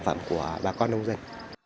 phẩm của bà con nông dân